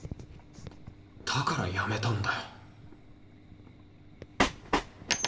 だからやめたんだよ